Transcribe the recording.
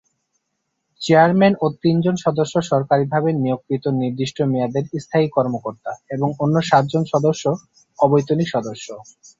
Chairman ও তিনজন সদস্য সরকারিভাবে নিয়োগকৃত নির্দিষ্ট মেয়াদের স্থায়ী কর্মকর্তা এবং অন্য সাতজন সদস্য অবৈতনিক সদস্য।